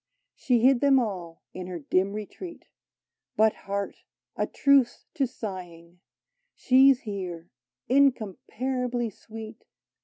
She hid them all in her dim retreat : But, heart ! a truce to sighing ; She 's here — incomparably sweet.